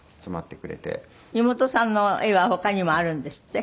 妹さんの絵は他にもあるんですって？